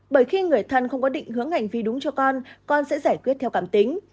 bởi khi người thân không có định hướng hành vi đúng cho con con sẽ giải quyết theo cảm tính